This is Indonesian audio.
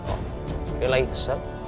oh dia lagi kesel